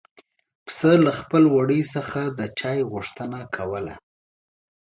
پسه له خپل وړي څخه د چای غوښتنه کوله.